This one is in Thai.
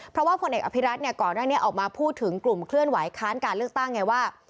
เพราะว่าผลเอกอภิรัตนเนี่ยก่อนหน้านี้ออกมาพูดถึงกลุ่มเคลื่อนไหวค้านการเลือกตั้งไงว่า